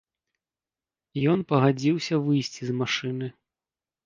Ён пагадзіўся выйсці з машыны.